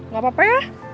gak apa apa ya